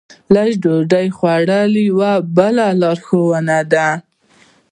لږه ډوډۍ خوړل یوه بله لارښوونه ده.